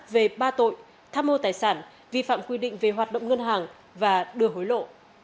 về ba tội tham mô tài sản vi phạm quy định về hoạt động ngân hàng và đưa hối lộ